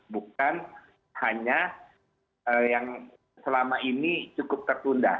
bukan hanya yang selama ini cukup tertunda